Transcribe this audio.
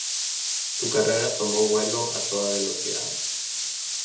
Su carrera tomó vuelo a toda velocidad.